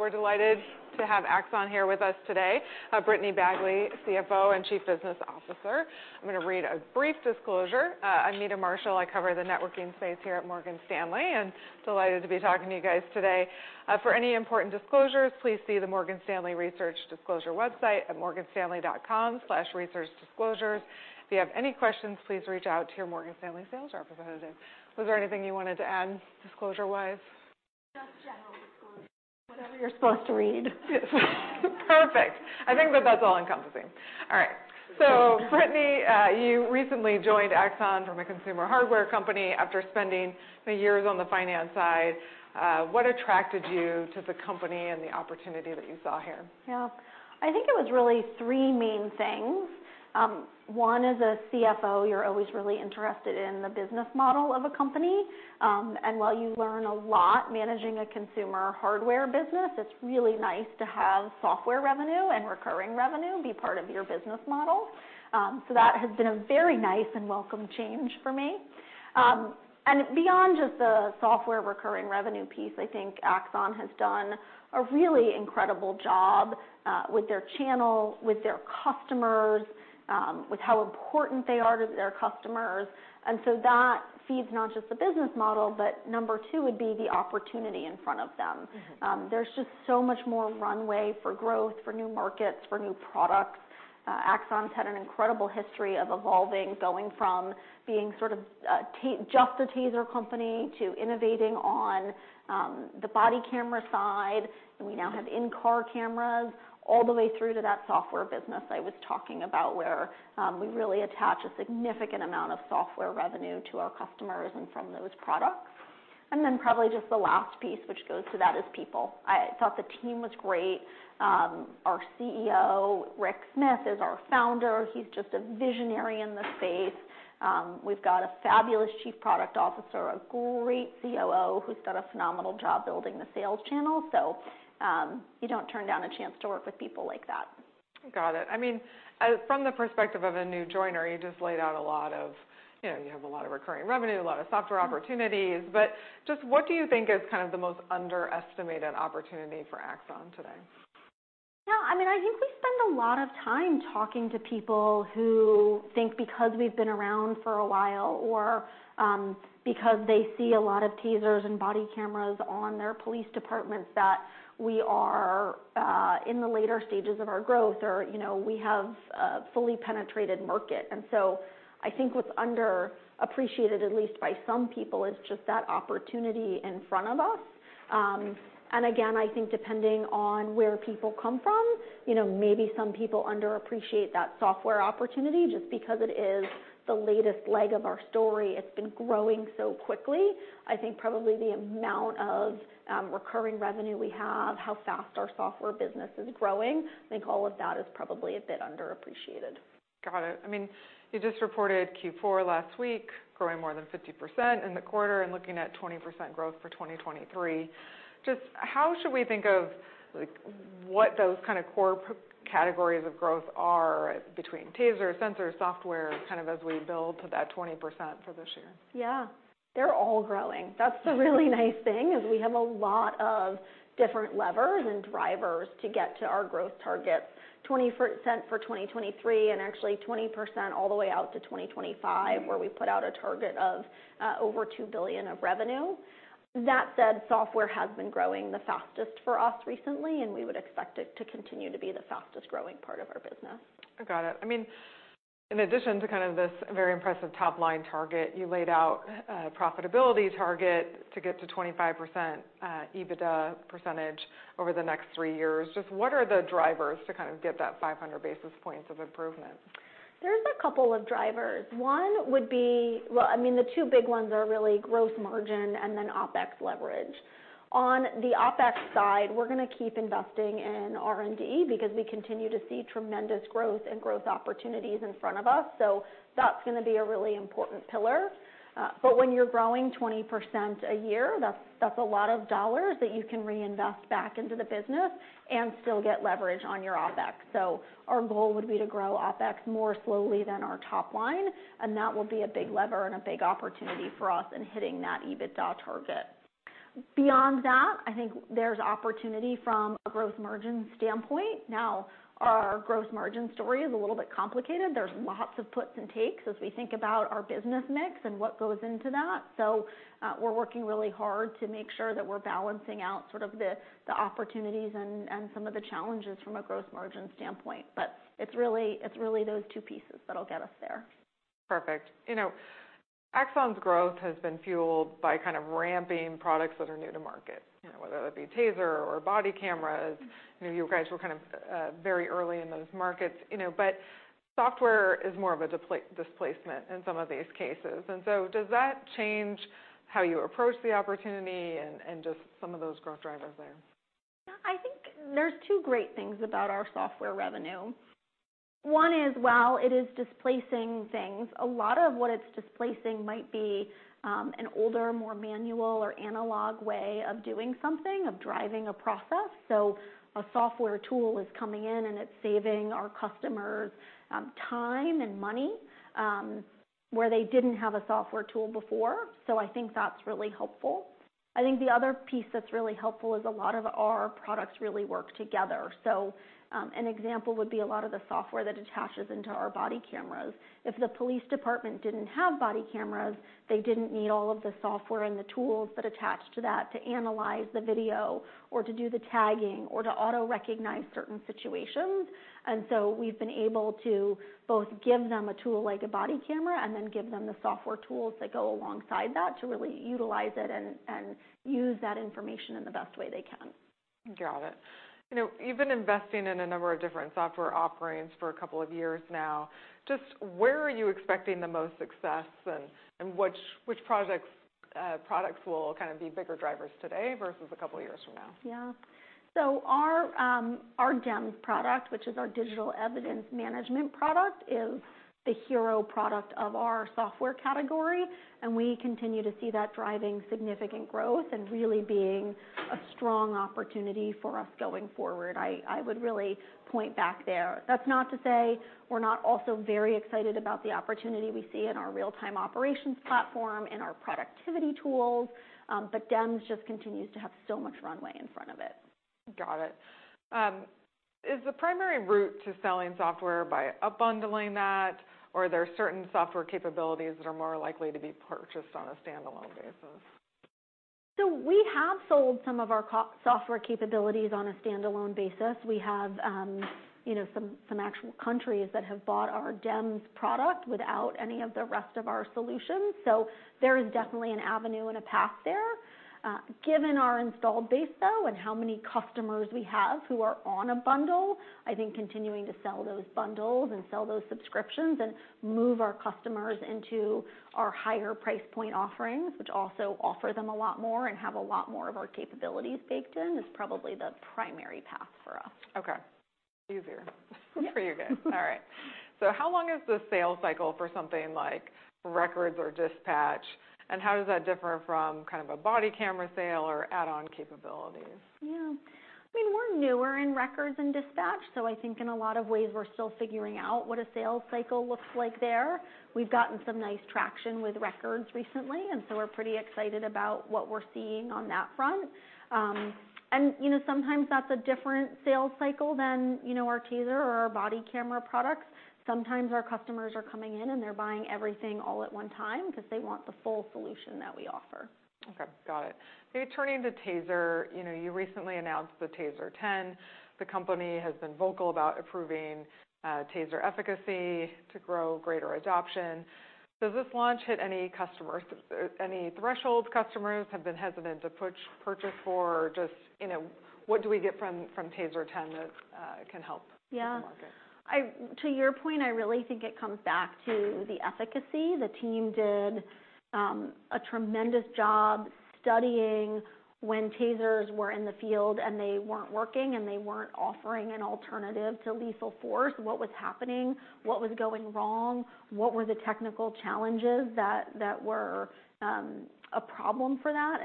We're delighted to have Axon here with us today, Brittany Bagley, CFO and Chief Business Officer. I'm gonna read a brief disclosure. I'm Meta Marshall. I cover the networking space here at Morgan Stanley, and delighted to be talking to you guys today. For any important disclosures, please see the Morgan Stanley Research Disclosure website at morganstanley.com/researchdisclosures. If you have any questions, please reach out to your Morgan Stanley sales representative. Was there anything you wanted to add disclosure-wise? Just general disclosure. Whatever you're supposed to read. Perfect. I think that that's all-encompassing. All right. Brittany, you recently joined Axon from a consumer hardware company after spending many years on the finance side. What attracted you to the company and the opportunity that you saw here? Yeah. I think it was really three main things. One, as a CFO, you're always really interested in the business model of a company. While you learn a lot managing a consumer hardware business, it's really nice to have software revenue and recurring revenue be part of your business model. That has been a very nice and welcome change for me. Beyond just the software recurring revenue piece, I think Axon has done a really incredible job with their channel, with their customers, with how important they are to their customers. That feeds not just the business model, but number two would be the opportunity in front of them. Mm-hmm. There's just so much more runway for growth, for new markets, for new products. Axon's had an incredible history of evolving, going from being sort of just a TASER company to innovating on the body camera side. We now have in-car cameras, all the way through to that software business I was talking about, where we really attach a significant amount of software revenue to our customers and from those products. Probably just the last piece which goes to that is people. I thought the team was great. Our CEO Rick Smith is our founder. He's just a visionary in the space. We've got a fabulous chief product officer, a great COO, who's done a phenomenal job building the sales channel. You don't turn down a chance to work with people like that. Got it. I mean, from the perspective of a new joiner, you just laid out a lot of, you know, you have a lot of recurring revenue, a lot of software opportunities. Just what do you think is kind of the most underestimated opportunity for Axon today? Yeah, I mean, I think we spend a lot of time talking to people who think because we've been around for a while, or, because they see a lot of TASERs and body cameras on their police departments, that we are in the later stages of our growth or, you know, we have a fully penetrated market. I think what's underappreciated, at least by some people, is just that opportunity in front of us. Again, I think depending on where people come from, you know, maybe some people underappreciate that software opportunity just because it is the latest leg of our story. It's been growing so quickly. I think probably the amount of recurring revenue we have, how fast our software business is growing, I think all of that is probably a bit underappreciated. Got it. I mean, you just reported Q4 last week, growing more than 50% in the quarter and looking at 20% growth for 2023. Just how should we think of, like, what those kind of core categories of growth are between TASER, sensor, software, kind of as we build to that 20% for this year? Yeah. They're all growing. That's the really nice thing, is we have a lot of different levers and drivers to get to our growth targets. 20% for 2023, actually 20% all the way out to 2025. Mm-hmm... where we put out a target of over $2 billion of revenue. That said, software has been growing the fastest for us recently, and we would expect it to continue to be the fastest-growing part of our business. Got it. I mean, in addition to kind of this very impressive top-line target, you laid out a profitability target to get to 25% EBITDA percentage over the next three years. Just what are the drivers to kind of get that 500 basis points of improvement? There's a couple of drivers. Well, I mean, the two big ones are really gross margin and then OpEx leverage. On the OpEx side, we're gonna keep investing in R&D because we continue to see tremendous growth and growth opportunities in front of us. That's gonna be a really important pillar. When you're growing 20% a year, that's a lot of $ that you can reinvest back into the business and still get leverage on your OpEx. Our goal would be to grow OpEx more slowly than our top line, and that will be a big lever and a big opportunity for us in hitting that EBITDA target. Beyond that, I think there's opportunity from a gross margin standpoint. Our gross margin story is a little bit complicated. There's lots of puts and takes as we think about our business mix and what goes into that. We're working really hard to make sure that we're balancing out sort of the opportunities and some of the challenges from a growth margin standpoint. It's really those two pieces that'll get us there. Perfect. You know, Axon's growth has been fueled by kind of ramping products that are new to market, you know, whether that be TASER or body cameras. You know, you guys were kind of very early in those markets, you know. Software is more of a displacement in some of these cases. Does that change how you approach the opportunity and just some of those growth drivers there? I think there's two great things about our software revenue. One is, while it is displacing things, a lot of what it's displacing might be an older, more manual or analog way of doing something, of driving a process. A software tool is coming in, and it's saving our customers time and money, where they didn't have a software tool before, so I think that's really helpful. I think the other piece that's really helpful is a lot of our products really work together. An example would be a lot of the software that attaches into our body cameras. If the police department didn't have body cameras, they didn't need all of the software and the tools that attach to that to analyze the video or to do the tagging, or to auto-recognize certain situations. We've been able to both give them a tool like a body camera and then give them the software tools that go alongside that to really utilize it and use that information in the best way they can. Got it. You know, you've been investing in a number of different software offerings for two years now. Just where are you expecting the most success, and which products will kind of be bigger drivers today versus two years from now? Yeah. Our, our DEMS product, which is our digital evidence management product, is the hero product of our software category, and we continue to see that driving significant growth and really being a strong opportunity for us going forward. I would really point back there. That's not to say we're not also very excited about the opportunity we see in our real-time operations platform and our productivity tools, but DEMS just continues to have so much runway in front of it. Got it. Is the primary route to selling software by up-bundling that, or are there certain software capabilities that are more likely to be purchased on a standalone basis? We have sold some of our core software capabilities on a standalone basis. We have, you know, some actual countries that have bought our DEMS product without any of the rest of our solutions. There is definitely an avenue and a path there. Given our install base though, and how many customers we have who are on a bundle, I think continuing to sell those bundles and sell those subscriptions and move our customers into our higher price point offerings, which also offer them a lot more and have a lot more of our capabilities baked in, is probably the primary path for us. Okay. Yeah. -for you guys. All right. How long is the sales cycle for something like Records or Dispatch, and how does that differ from kind of a body camera sale or add-on capabilities? Yeah. I mean, we're newer in Records and Dispatch, I think in a lot of ways we're still figuring out what a sales cycle looks like there. We've gotten some nice traction with Records recently, we're pretty excited about what we're seeing on that front. You know, sometimes that's a different sales cycle than, you know, our TASER or our body camera products. Sometimes our customers are coming in, and they're buying everything all at one time because they want the full solution that we offer. Okay. Got it. Okay. Turning to TASER, you know, you recently announced the TASER 10. The company has been vocal about improving TASER efficacy to grow greater adoption. Does this launch hit any customers? Any threshold customers have been hesitant to purchase for or just, you know, what do we get from TASER 10 that can help-? Yeah hit the market? To your point, I really think it comes back to the efficacy. The team did a tremendous job studying when TASERs were in the field, and they weren't working, and they weren't offering an alternative to lethal force, what was happening, what was going wrong, what were the technical challenges that were a problem for that.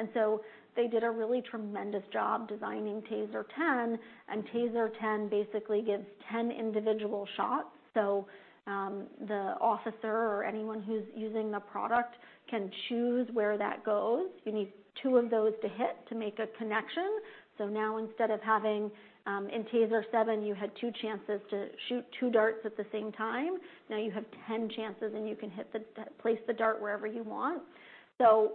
They did a really tremendous job designing TASER 10, and TASER 10 basically gives 10 individual shots. The officer or anyone who's using the product can choose where that goes. You need two of those to hit to make a connection. Instead of having in TASER 7 you had two chances to shoot two darts at the same time, now you have 10 chances, and you can place the dart wherever you want.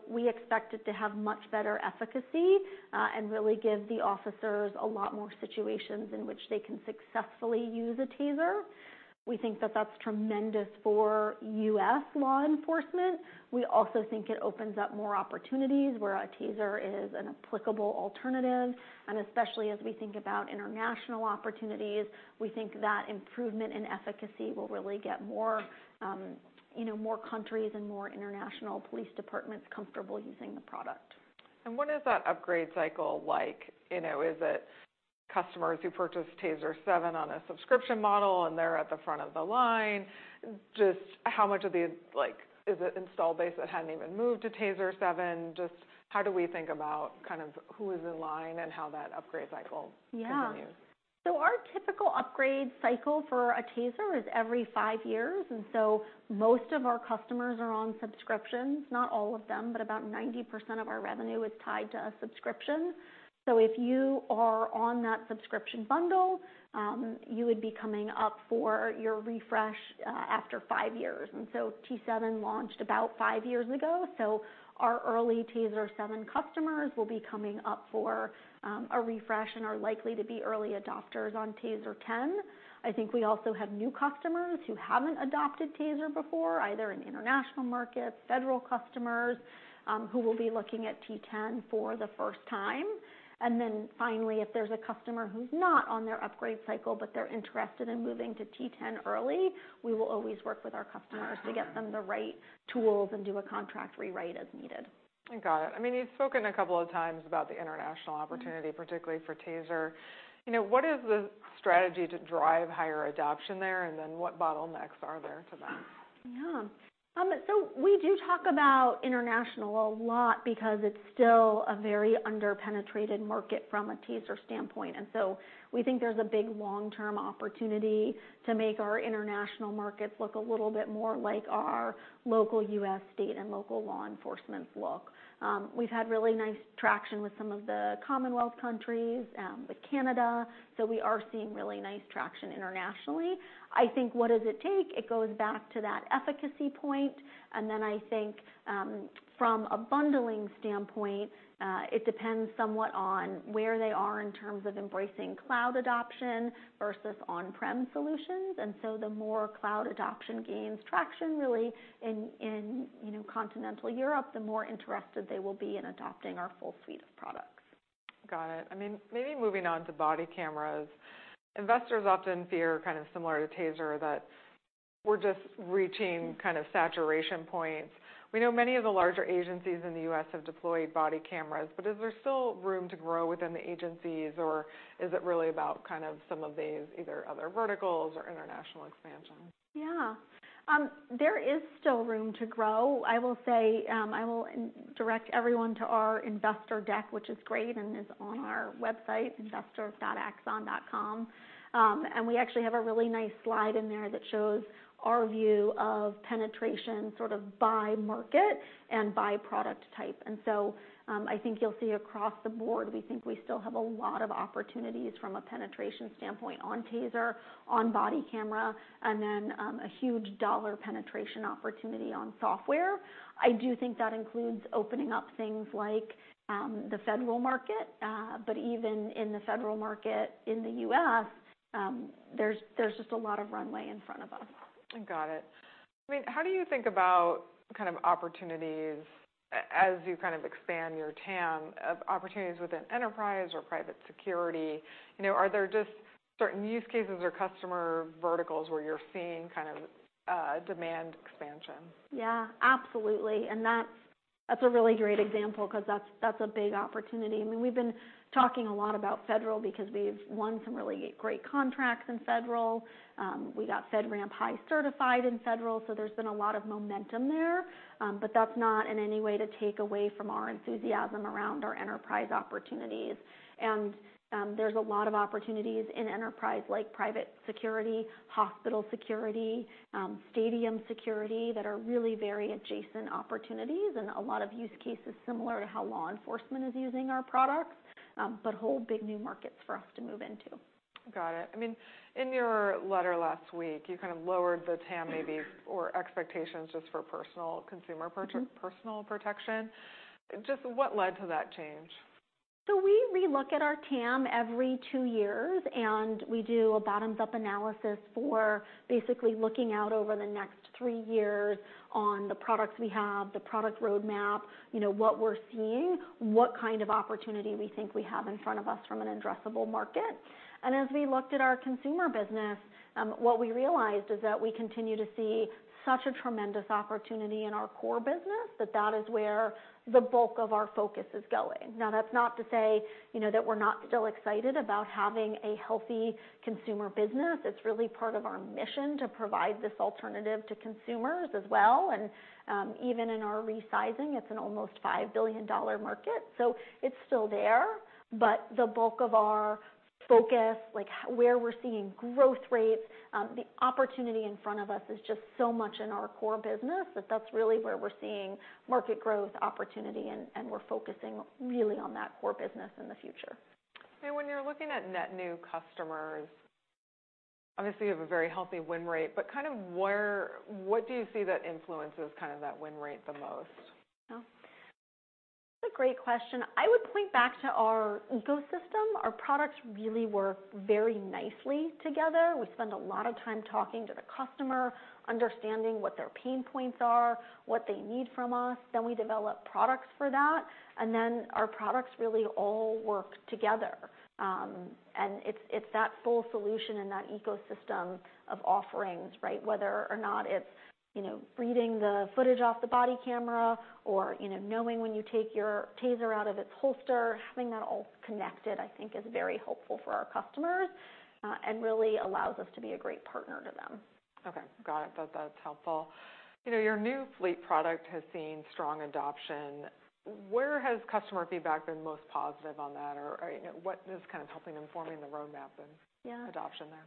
We expect it to have much better efficacy, and really give the officers a lot more situations in which they can successfully use a TASER. We think that that's tremendous for U.S. law enforcement. We also think it opens up more opportunities where a TASER is an applicable alternative. Especially as we think about international opportunities, we think that improvement in efficacy will really get more, you know, more countries and more international police departments comfortable using the product. What is that upgrade cycle like? You know, is it customers who purchase TASER 7 on a subscription model, and they're at the front of the line? Just how much of the, like, is it install base that hadn't even moved to TASER 7? Just how do we think about kind of who is in line and how that upgrade cycle. Yeah -continues? Our typical upgrade cycle for a TASER is every five years, and most of our customers are on subscriptions. Not all of them, but about 90% of our revenue is tied to a subscription. If you are on that subscription bundle, you would be coming up for your refresh after five years. TASER 7 launched about 5 years ago, so our early TASER 7 customers will be coming up for a refresh and are likely to be early adopters on TASER 10. I think we also have new customers who haven't adopted TASER before, either in the international markets, federal customers, who will be looking at TASER 10 for the first time. Finally, if there's a customer who's not on their upgrade cycle, but they're interested in moving to T10 early, we will always work with our customers to get them the right tools and do a contract rewrite as needed. I got it. I mean, you've spoken a couple of times about the international opportunity- Mm-hmm particularly for TASER. You know, what is the strategy to drive higher adoption there, and then what bottlenecks are there to that? Yeah. We do talk about international a lot because it's still a very under-penetrated market from a TASER standpoint. We think there's a big long-term opportunity to make our international markets look a little bit more like our local U.S. state and local law enforcements look. We've had really nice traction with some of the Commonwealth countries, with Canada, we are seeing really nice traction internationally. I think what does it take? It goes back to that efficacy point. Then I think, from a bundling standpoint, it depends somewhat on where they are in terms of embracing cloud adoption versus on-prem solutions. The more cloud adoption gains traction, really in, you know, continental Europe, the more interested they will be in adopting our full suite of products. Got it. I mean, maybe moving on to body cameras. Investors often fear, kind of similar to TASER, that we're just reaching kind of saturation points. We know many of the larger agencies in the U.S. have deployed body cameras, but is there still room to grow within the agencies, or is it really about kind of some of these either other verticals or international expansion? Yeah. There is still room to grow. I will say, I will direct everyone to our investor deck, which is great and is on our website, investor.axon.com. We actually have a really nice slide in there that shows our view of penetration sort of by market and by product type. I think you'll see across the board, we think we still have a lot of opportunities from a penetration standpoint on Taser, on body camera, and then, a huge dollar penetration opportunity on software. I do think that includes opening up things like, the federal market. Even in the federal market in the U.S., there's just a lot of runway in front of us. Got it. I mean, how do you think about kind of opportunities as you kind of expand your TAM of opportunities within enterprise or private security? You know, are there just certain use cases or customer verticals where you're seeing kind of, demand expansion? Yeah, absolutely. That's a really great example 'cause that's a big opportunity. I mean, we've been talking a lot about federal because we've won some really great contracts in federal. We got FedRAMP High certified in federal, so there's been a lot of momentum there. That's not in any way to take away from our enthusiasm around our enterprise opportunities. There's a lot of opportunities in enterprise like private security, hospital security, stadium security, that are really very adjacent opportunities and a lot of use cases similar to how law enforcement is using our products, but whole big new markets for us to move into. Got it. I mean, in your letter last week, you kind of lowered the TAM maybe, or expectations just for personal protection. What led to that change? We re-look at our TAM every two years, and we do a bottoms-up analysis for basically looking out over the next 3 years on the products we have, the product roadmap, you know, what we're seeing, what kind of opportunity we think we have in front of us from an addressable market. As we looked at our consumer business, what we realized is that we continue to see such a tremendous opportunity in our core business, that that is where the bulk of our focus is going. Now, that's not to say, you know, that we're not still excited about having a healthy consumer business. It's really part of our mission to provide this alternative to consumers as well. Even in our resizing, it's an almost $5 billion market, so it's still there. The bulk of our focus, like where we're seeing growth rates, the opportunity in front of us is just so much in our core business that that's really where we're seeing market growth opportunity, and we're focusing really on that core business in the future. When you're looking at net new customers, obviously you have a very healthy win rate, but kind of what do you see that influences kind of that win rate the most? That's a great question. I would point back to our ecosystem. Our products really work very nicely together. We spend a lot of time talking to the customer, understanding what their pain points are, what they need from us, then we develop products for that. Our products really all work together. It's that full solution and that ecosystem of offerings, right? Whether or not it's, you know, reading the footage off the body camera or, you know, knowing when you take your TASER out of its holster. Having that all connected, I think is very helpful for our customers, really allows us to be a great partner to them. Okay. Got it. That, that's helpful. You know, your new Fleet product has seen strong adoption. Where has customer feedback been most positive on that? You know, what is kind of helping informing the roadmap? Yeah. adoption there?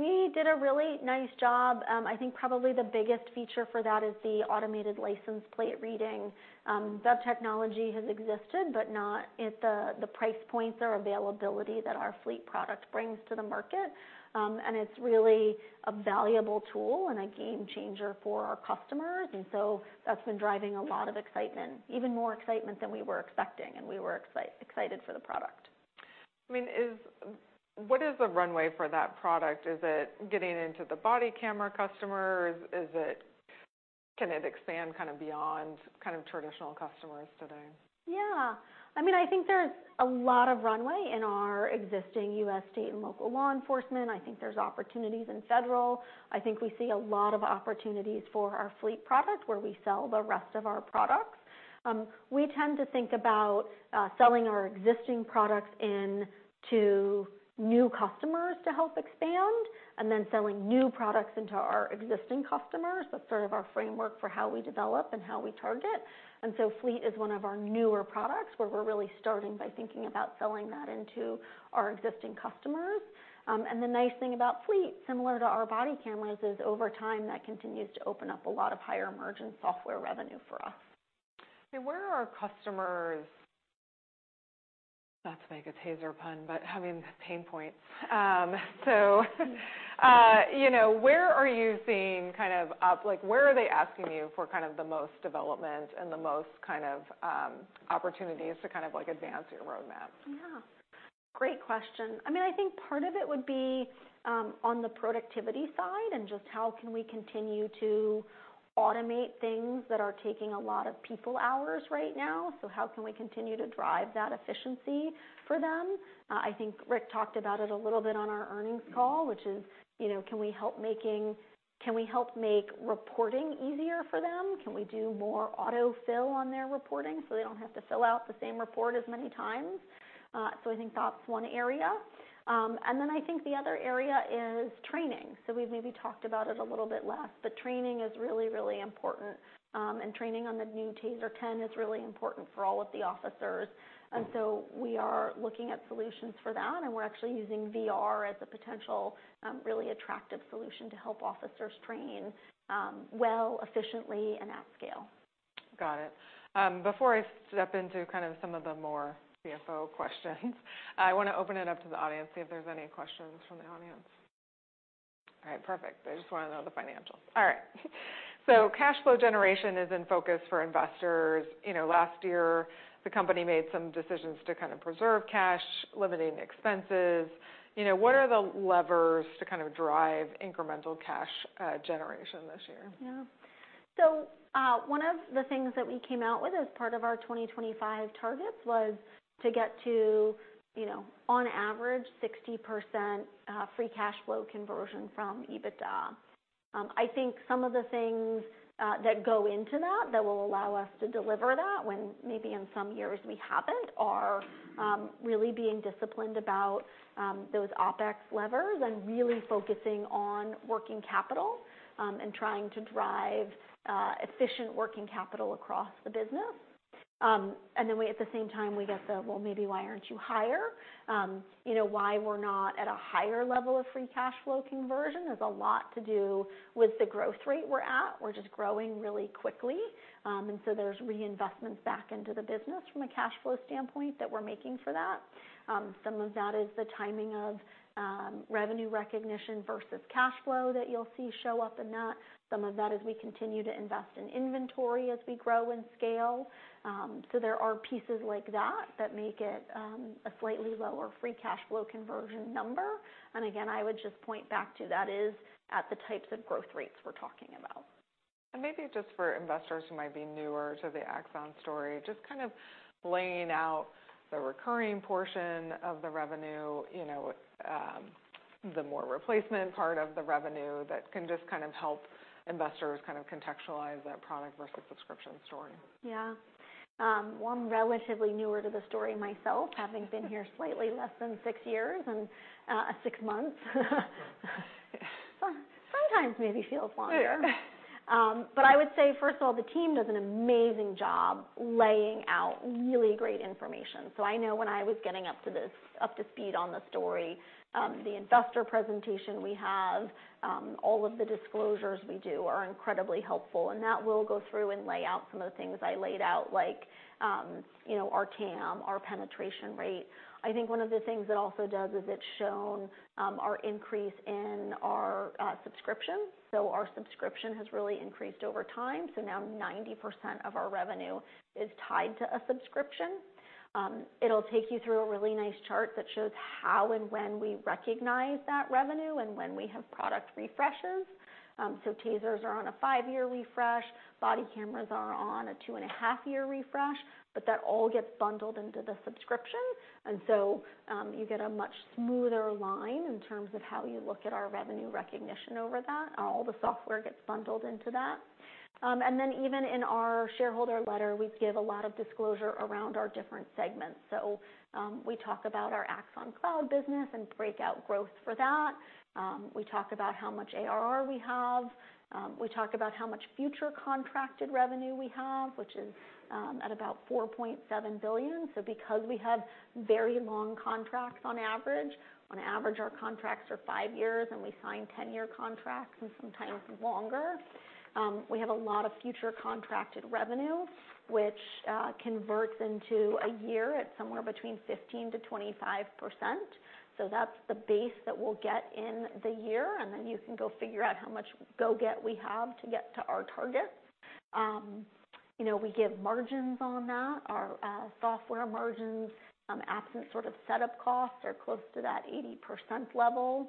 We did a really nice job. I think probably the biggest feature for that is the automated license plate reading. That technology has existed, but not at the price points or availability that our fleet product brings to the market. It's really a valuable tool and a game changer for our customers. That's been driving a lot of excitement, even more excitement than we were expecting, and we were excited for the product. I mean, What is the runway for that product? Is it getting into the body camera customer? Can it expand kind of beyond kind of traditional customers today? Yeah. I mean, I think there's a lot of runway in our existing U.S. state and local law enforcement. I think there's opportunities in federal. I think we see a lot of opportunities for our Fleet product, where we sell the rest of our products. We tend to think about selling our existing products into new customers to help expand, and then selling new products into our existing customers. That's sort of our framework for how we develop and how we target. Fleet is one of our newer products, where we're really starting by thinking about selling that into our existing customers. And the nice thing about Fleet, similar to our body cameras, is over time, that continues to open up a lot of higher-margin software revenue for us. Where are our customers, not to make a TASER pun, but having pain points? You know, where are you seeing kind of Like, where are they asking you for kind of the most development and the most kind of opportunities to kind of, like, advance your roadmap? Yeah. Great question. I mean, I think part of it would be on the productivity side, and just how can we continue to automate things that are taking a lot of people hours right now. How can we continue to drive that efficiency for them? I think Rick talked about it a little bit on our earnings call, which is, you know, can we help make reporting easier for them? Can we do more autofill on their reporting, so they don't have to fill out the same report as many times? I think that's one area. I think the other area is training. We've maybe talked about it a little bit less, but training is really important. Training on the new TASER 10 is really important for all of the officers. We are looking at solutions for that, and we're actually using VR as a potential, really attractive solution to help officers train, well, efficiently, and at scale. Got it. Before I step into kind of some of the more CFO questions, I wanna open it up to the audience, see if there's any questions from the audience. All right. Perfect. They just wanna know the financials. All right. Cash flow generation is in focus for investors. You know, last year, the company made some decisions to kind of preserve cash, limiting expenses. You know, what are the levers to kind of drive incremental cash generation this year? Yeah. One of the things that we came out with as part of our 2025 targets was to get to, you know, on average, 60% free cash flow conversion from EBITDA. I think some of the things that go into that will allow us to deliver that, when maybe in some years we haven't, are really being disciplined about those OpEx levers and really focusing on working capital, and trying to drive efficient working capital across the business. We, at the same time, we get the, "Well, maybe why aren't you higher?" You know, why we're not at a higher level of free cash flow conversion has a lot to do with the growth rate we're at. We're just growing really quickly. There's reinvestments back into the business from a cash flow standpoint that we're making for that. Some of that is the timing of revenue recognition versus cash flow that you'll see show up in that. Some of that is we continue to invest in inventory as we grow and scale. There are pieces like that that make it a slightly lower free cash flow conversion number. Again, I would just point back to that is at the types of growth rates we're talking about. Maybe just for investors who might be newer to the Axon story, just kind of laying out the recurring portion of the revenue, you know, the more replacement part of the revenue that can just kind of help investors kind of contextualize that product versus subscription story. Yeah, well, I'm relatively newer to the story myself, having been here slightly less than 6 years and 6 months. Sometimes maybe feels longer. I would say, first of all, the team does an amazing job laying out really great information. I know when I was getting up to speed on the story, the investor presentation we have, all of the disclosures we do are incredibly helpful. That will go through and lay out some of the things I laid out, like, you know, our TAM, our penetration rate. I think one of the things it also does is it's shown our increase in our subscription. Our subscription has really increased over time. Now 90% of our revenue is tied to a subscription. It'll take you through a really nice chart that shows how and when we recognize that revenue and when we have product refreshes. TASERs are on a 5-year refresh. Body cameras are on a 2.5-year refresh, that all gets bundled into the subscription. You get a much smoother line in terms of how you look at our revenue recognition over that. All the software gets bundled into that. In our shareholder letter, we give a lot of disclosure around our different segments. We talk about our Axon Cloud business and break out growth for that. We talk about how much ARR we have. We talk about how much future contracted revenue we have, which is at about $4.7 billion. Because we have very long contracts on average our contracts are 5 years, and we sign 10-year contracts and sometimes longer, we have a lot of future contracted revenue, which converts into a year at somewhere between 15%-25%. That's the base that we'll get in the year, you can go figure out how much go-get we have to get to our targets. you know, we give margins on that. Our software margins, absent sort of setup costs are close to that 80% level.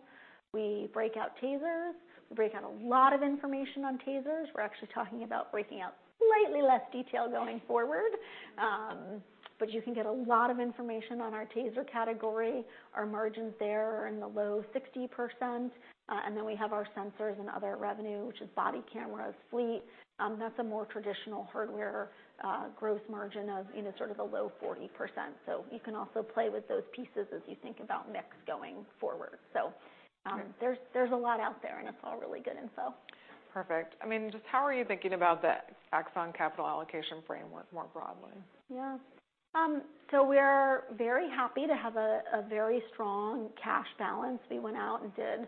We break out TASERs. We break out a lot of information on TASERs. We're actually talking about breaking out slightly less detail going forward. you can get a lot of information on our TASER category. Our margins there are in the low 60%. We have our sensors and other revenue, which is body cameras, Fleet, that's a more traditional hardware, gross margin of, you know, sort of the low 40%. You can also play with those pieces as you think about mix going forward. There's a lot out there, and it's all really good info. Perfect. I mean, just how are you thinking about the Axon capital allocation framework more broadly? We're very happy to have a very strong cash balance. We went out and did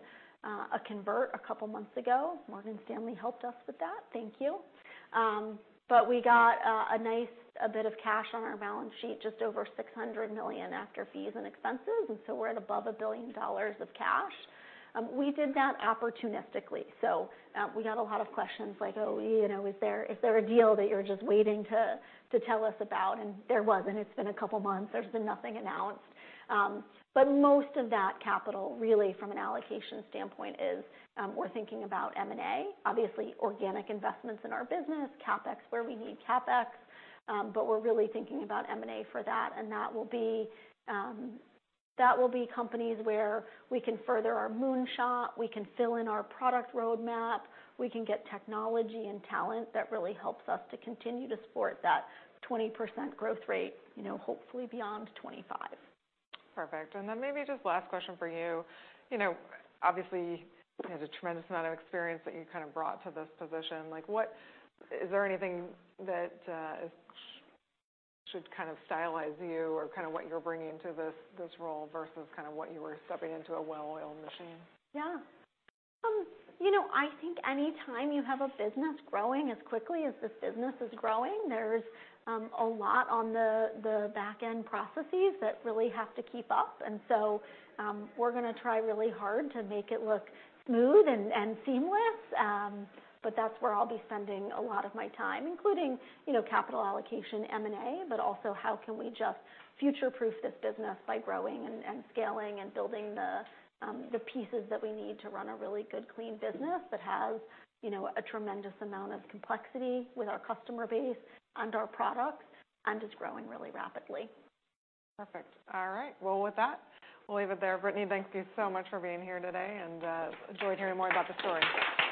a convertible a couple months ago. Morgan Stanley helped us with that. Thank you. We got a nice a bit of cash on our balance sheet, just over $600 million after fees and expenses, we're at above $1 billion of cash. We did that opportunistically. We got a lot of questions like, "Oh, you know, is there a deal that you're just waiting to tell us about?" There wasn't. It's been a couple months. There's been nothing announced. Most of that capital, really from an allocation standpoint, is, we're thinking about M&A, obviously organic investments in our business, CapEx where we need CapEx. We're really thinking about M&A for that, and that will be companies where we can further our moonshot, we can fill in our product roadmap, we can get technology and talent that really helps us to continue to support that 20% growth rate, you know, hopefully beyond 25. Perfect. Maybe just last question for you. You know, obviously you have a tremendous amount of experience that you kind of brought to this position. Like, is there anything that should kind of stylize you or kind of what you're bringing to this role versus kind of what you were stepping into a well-oiled machine? Yeah. You know, I think any time you have a business growing as quickly as this business is growing, there's a lot on the back-end processes that really have to keep up. So, we're gonna try really hard to make it look smooth and seamless. That's where I'll be spending a lot of my time, including, you know, capital allocation M&A, but also how can we just future-proof this business by growing and scaling and building the pieces that we need to run a really good, clean business that has, you know, a tremendous amount of complexity with our customer base and our products and is growing really rapidly. Perfect. All right. Well, with that, we'll leave it there. Brittany, thank you so much for being here today, and enjoyed hearing more about the story. Thank you.